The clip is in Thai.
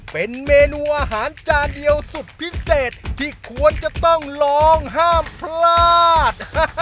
เป็นเมนูอาหารจานเดียวสุดพิเศษที่ควรจะต้องลองห้ามพลาด